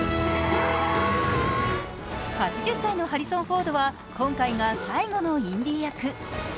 ８０歳のハリソン・フォードは今回が最後のインディ役。